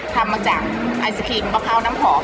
ทำมาจากไอศกรีมปะเข่าน้ำผอม